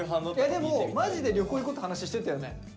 でもマジで旅行行こうって話してたよね。